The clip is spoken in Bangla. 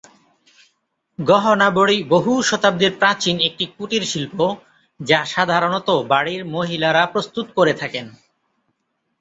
গহনা বড়ি বহু শতাব্দী প্রাচীন একটি কুটির শিল্প যা সাধারণত বাড়ির মহিলারা প্রস্তুত করে থাকেন।